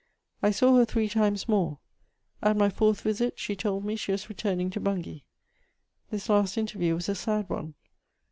I saw her three times more: at my fourth visit, she told me she was returning to Bungay. This last interview was a sad one.